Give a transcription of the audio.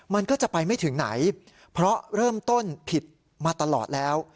มันก็จะไปไม่ถึงไหนเพราะเริ่มต้นผิดมาตลอดแล้ว